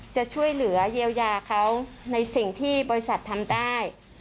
จะช่วยเหลือเยียวยาเขาในสิ่งที่บริษัททำได้